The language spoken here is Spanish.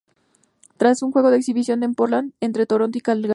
Tras un juego de exhibición en Portland entre Toronto y Calgary.